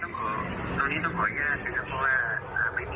เพราะว่าไม่มีอำนาจที่จะแจ้งตรงนี้